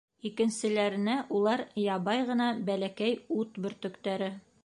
Икенселәренә улар ябай ғына бәләкәй ут бөртөктәре.